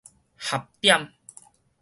合點